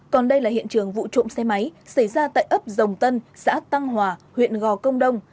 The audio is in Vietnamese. còn đây là hiện trường vụ trộm xe máy xảy ra tại ấp dòng tân xã tăng hòa huyện gò công đông